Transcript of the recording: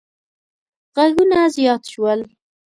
غږونه زیات شول.